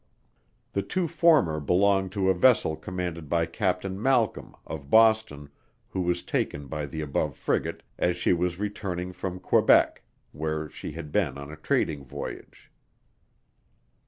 The two former belonged to a vessel commanded by Captain Malcom, of Boston, who was taken by the above frigate, as she was returning from Quebec, where she had been on a trading voyage.